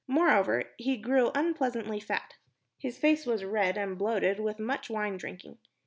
Moreover, he grew unpleasantly fat. His face was red and bloated with much wine drinking.